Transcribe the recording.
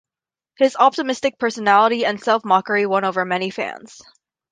His optimistic personality and self-mockery won over many fans.